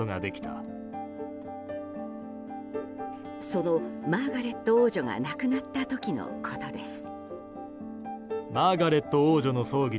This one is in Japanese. そのマーガレット王女が亡くなった時のことです。